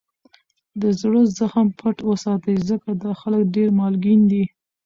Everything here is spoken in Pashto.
دزړه زخم پټ وساتئ! ځکه دا خلک دېر مالګین دي.